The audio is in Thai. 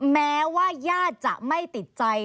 แม้ว่าญาติจะไม่ติดใจ